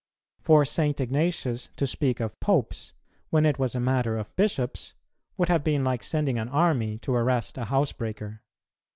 For St. Ignatius to speak of Popes, when it was a matter of Bishops, would have been like sending an army to arrest a housebreaker.